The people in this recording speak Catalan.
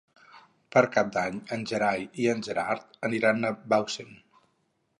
Per Cap d'Any en Gerai i en Gerard aniran a Bausen.